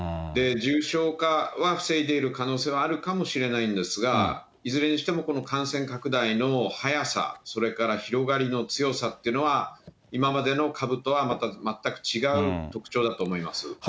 重症化は防いでいる可能性はあるかもしれないんですが、いずれにしてもこの感染拡大の速さ、それから広がりの強さっていうのは、今までの株とは全く違う特徴だと思います。